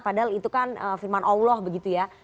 padahal itu kan firman allah begitu ya